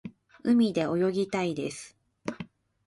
海で泳ぎたいです。